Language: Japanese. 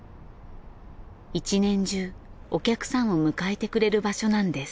１年中お客さんを迎えてくれる場所なんです。